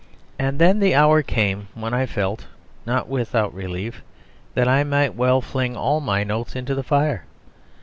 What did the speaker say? And then the hour came when I felt, not without relief, that I might well fling all my notes into the fire.